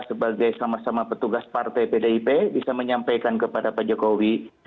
sebagai sama sama petugas partai pdip bisa menyampaikan kepada pak jokowi